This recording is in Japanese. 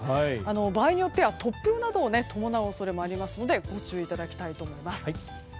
場合によっては突風を伴う恐れもありますのでご注意いただきたいと思います。